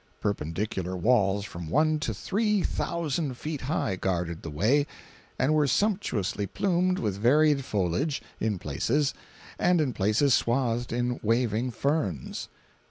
Perpendicular walls from one to three thousand feet high guarded the way, and were sumptuously plumed with varied foliage, in places, and in places swathed in waving ferns.